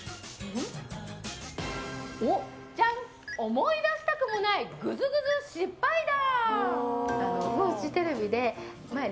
思い出したくもないグズグズ失敗談。